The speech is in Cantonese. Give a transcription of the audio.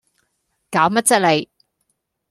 攪乜啫你